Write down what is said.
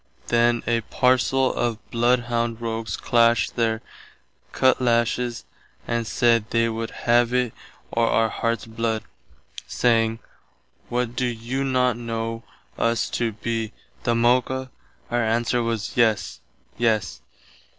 Then a parcell of bloodhound rogues clasht their cutlashes and said they would have itt or our hearts blood, saying, "What doe you not know us to be the Moca?" Our answer was Yes, Yes.